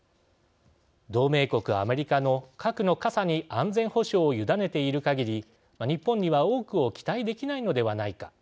同盟国アメリカの核の傘に安全保障を委ねているかぎり日本には多くを期待できないのではないか。